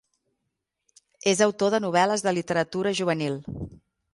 És autor de novel·les de literatura juvenil.